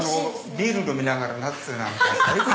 ビール飲みながらナッツ最高！